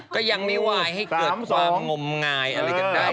ก็ยังไม่วายให้เกิดความงมงายอะไรกันได้